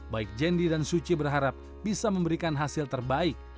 baik jendi dan suci berharap bisa memberikan hasil terbaik